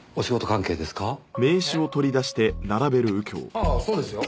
ああそうですよ。